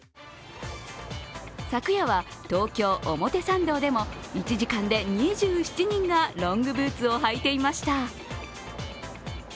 昨夜は東京・表参道でも１時間で２７人がロングブーツを履いていました。